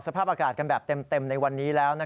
สภาพอากาศกันแบบเต็มในวันนี้แล้ว